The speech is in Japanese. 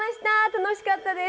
楽しかったです。